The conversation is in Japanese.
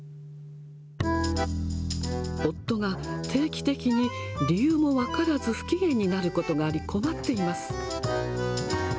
夫が定期的に理由も分からず不機嫌になることがあり、困っています。